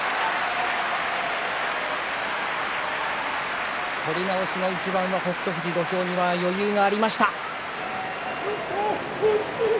拍手取り直しの一番は北勝富士、土俵際に余裕がありました。